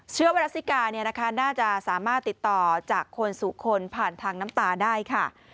เชื้อเวลาสิกาเนี่ยนะคะน่าจะสามารถติดต่อจากคนสู่คนผ่านทางน้ำตาได้ค่ะ